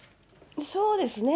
そうですね。